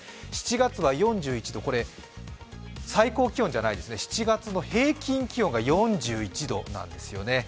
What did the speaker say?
７月は４１度、これ、最高気温じゃないです、７月の平均気温が４１度なんですよね。